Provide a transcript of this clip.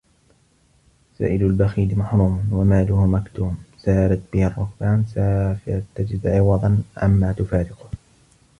سائل البخيل محروم وماله مكتوم سارت به الرُّكْبانُ سافر تجد عوضا عما تفارقه